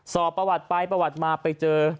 สอบประวัติไปประวัติมาไปเจอ